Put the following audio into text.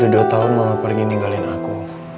udah dua tahun mama pergi ninggalin aku